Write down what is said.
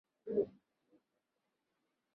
阴蒂肥大不同于性刺激下阴蒂的自然增大。